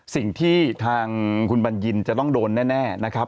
สิ่งที่ทางคุณบัญญินจะต้องโดนแน่นะครับ